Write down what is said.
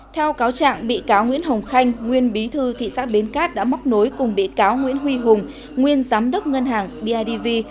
theo cáo trạng bị cáo nguyễn hồng khanh nguyên bí thư thị xã bến cát đã móc nối cùng bị cáo nguyễn huy hùng nguyên giám đốc ngân hàng bidv